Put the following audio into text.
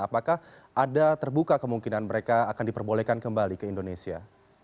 apakah ada terbuka kemungkinan mereka akan diperbolehkan kembali ke indonesia